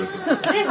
えっ？